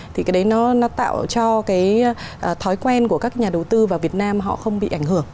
thì cái đấy nó tạo cho cái thói quen của các nhà đầu tư vào việt nam họ không bị ảnh hưởng